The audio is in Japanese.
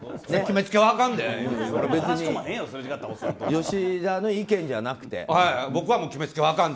別に吉田の意見じゃなくて。